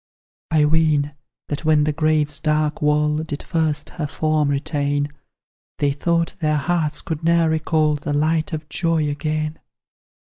I ween, that when the grave's dark wall Did first her form retain, They thought their hearts could ne'er recall The light of joy again.